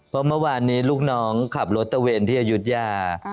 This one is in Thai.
เพราะเมื่อวานนี้ลูกน้องขับรถตะเวนที่อายุทยา